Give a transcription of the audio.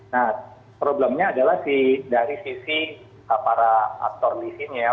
nah problemnya adalah dari sisi para aktor di sini ya